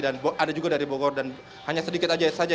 ada juga dari bogor dan hanya sedikit saja